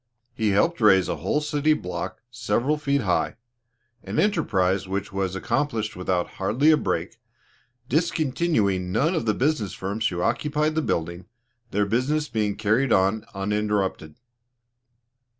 He helped raise a whole block several feet high, an enterprise which was accomplished without hardly a break, discontinuing none of the business firms who occupied the building, their business being carried on uninterrupted.